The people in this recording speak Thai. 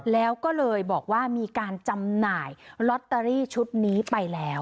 แล้วก็เลยบอกว่ามีการจำหน่ายลอตเตอรี่ชุดนี้ไปแล้ว